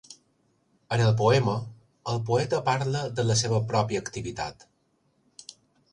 En el poema, el poeta parla de la seva pròpia activitat.